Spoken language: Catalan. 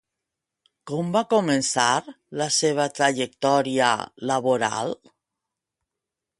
Com va començar la seva trajectòria laboral?